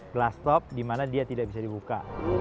glass top dimana dia tidak bisa dibuka